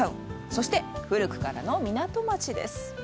そして、古くからの港町です。